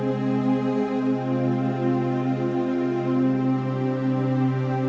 ในถานะเพื่อนเพิ่มนี้แบบเนี้ยค่ะ